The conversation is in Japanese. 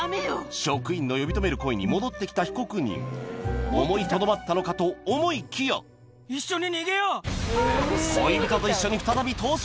職員の呼び止める声に戻って来た被告人思いとどまったのかと思いきや恋人と一緒に再び逃走！